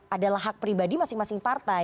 adalah hak pribadi masing masing partai